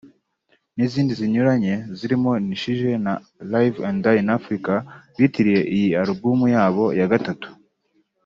n’izindi zinyuranye zirimo Nishije na Live and Die in Afrika bitiriye iyi album yabo ya gatatu